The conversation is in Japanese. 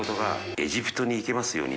「エジプトに行けますように！！」